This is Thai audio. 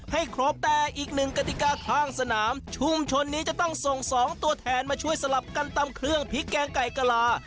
ให้ครบแต่อีกหนึ่งกติกาข้างสนามชุมชนนี้จะต้องส่งสองตัวแทนมาช่วยสลับกันตำเครื่องพริกแกงไก่กะลา